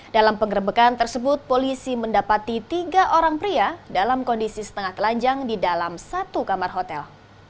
dalam penggerbekan tersebut polisi mendapati tiga orang pria dalam kondisi setengah telanjang di dalam satu kamar hotel